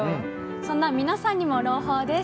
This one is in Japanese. そんな皆さんにも朗報です。